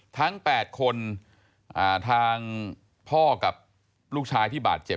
ทั้ง๘คนทางพ่อกับลูกชายที่บาดเจ็บ